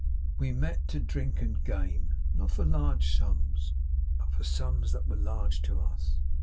'We met to drink and game; not for large sums, but for sums that were large to us.